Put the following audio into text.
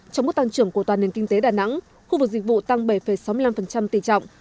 trong mức tăng trưởng của toàn nền kinh tế đà nẵng khu vực dịch vụ tăng bảy sáu mươi năm tỷ trọng